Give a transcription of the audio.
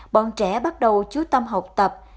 bọn trẻ bắt đầu chú tâm học tập